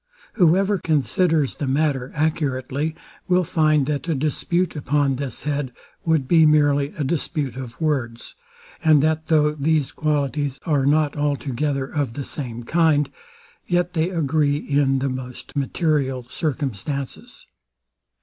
Whoever considers the matter accurately, will find, that a dispute upon this head would be merely a dispute of words, and that though these qualities are not altogether of the same kind, yet they agree in the most material circumstances.